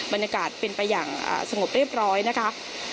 บรรยากาศเป็นไปอย่างสงบเรียบร้อยนะคะ